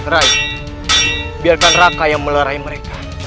rai biarkan raka yang melerai mereka